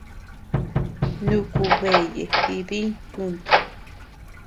Nuku beayee jidiñ yuntu.